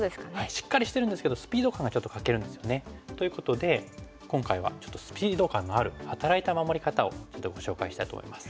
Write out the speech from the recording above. しっかりしてるんですけどスピード感がちょっと欠けるんですよね。ということで今回はちょっとスピード感のある働いた守り方をご紹介したいと思います。